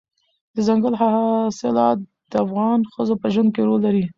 دځنګل حاصلات د افغان ښځو په ژوند کې رول لري.